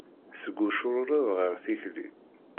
Seg ucrured ɣer tikli.